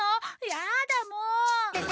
やだあもう！